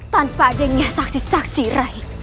tanpa adanya saksi saksi rai